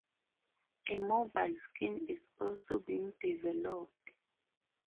A mobile skin is also being developed.